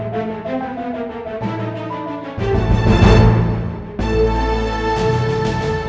pokoknya aku sudah selesai